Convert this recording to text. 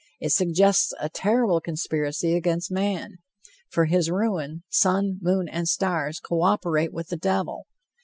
It suggests a terrible conspiracy against man. For his ruin, sun, moon and stars co operate with the devil.